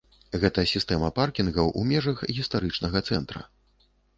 Гэта сістэма паркінгаў у межах гістарычнага цэнтра.